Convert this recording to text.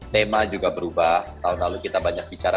tema juga berubah tahun lalu kita banyak bicara